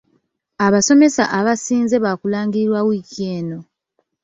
Abasomesa abasinze baakulangirirwa wiiki eno.